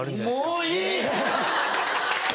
もういい！